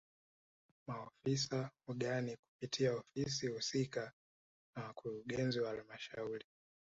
Maofisa ugani kupitia ofisi husika na wakurugenzi wa halmashauri